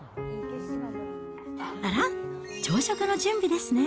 あら？朝食の準備ですね。